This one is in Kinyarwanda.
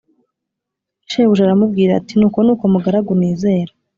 Shebuja aramubwira ati Nuko nuko mugaragu nizera